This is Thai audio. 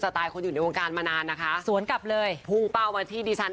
ไตล์คนอยู่ในวงการมานานนะคะสวนกลับเลยพุ่งเป้ามาที่ดิฉัน